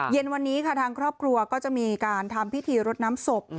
เย็นวันนี้ค่ะทางครอบครัวก็จะมีการทำพิธีรดน้ำศพ